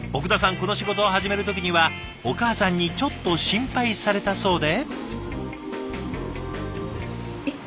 この仕事を始める時にはお母さんにちょっと心配されたそうで。